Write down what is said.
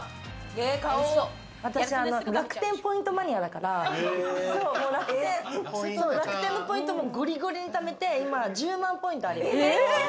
私、楽天ポイントマニアだから楽天のポイント、ゴリゴリにためて、今１０万ポイントある。